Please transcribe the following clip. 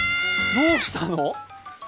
どうしたの？